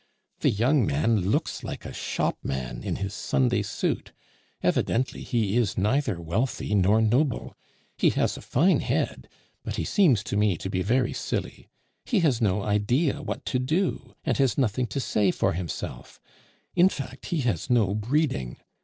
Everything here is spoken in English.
The young man looks like a shopman in his Sunday suit; evidently he is neither wealthy nor noble; he has a fine head, but he seems to me to be very silly; he has no idea what to do, and has nothing to say for himself; in fact, he has no breeding.